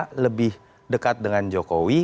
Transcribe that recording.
karena saya lebih dekat dengan jokowi